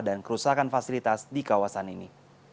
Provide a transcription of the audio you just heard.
dan kerusakan fasilitas di kawasan ini